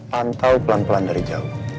pantau pelan pelan dari jauh